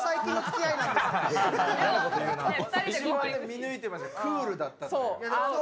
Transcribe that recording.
見抜いてました、クールだったって。